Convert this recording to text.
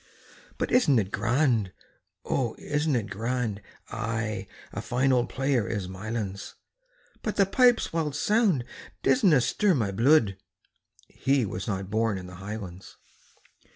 "But isn't it grand? O, isn't it grand?" "Ay, a fine auld player is Mylands, But the pipes' wild sound disna stir my bluid" He was not born in the highlands.